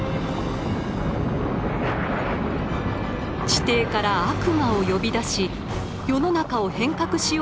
地底から悪魔を呼び出し世の中を変革しようとする悪魔くん。